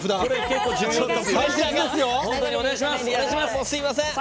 もうすいません！